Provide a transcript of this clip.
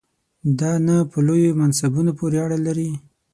دا نه په لویو منصبونو پورې اړه لري.